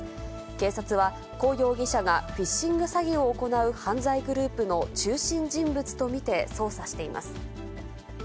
警察は胡容疑者がフィッシング詐欺を行う犯罪グループの中心人物と見て捜査しています。